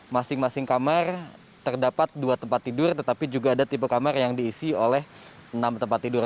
masing masing kamar terdapat dua tempat tidur tetapi juga ada tipe kamar yang diisi oleh enam tempat tidur